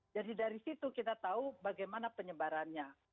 jadi dari situ kita tahu bagaimana penyebarannya